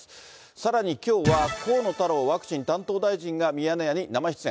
さらにきょうは、河野太郎ワクチン担当大臣が、ミヤネ屋に生出演。